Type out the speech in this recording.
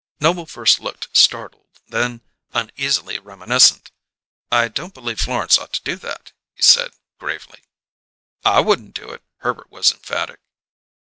Noble first looked startled then uneasily reminiscent. "I don't believe Florence ought to do that," he said gravely. "I wouldn't do it!" Herbert was emphatic.